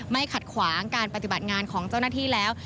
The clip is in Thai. ขัดขวางการปฏิบัติงานของเจ้าหน้าที่แล้ว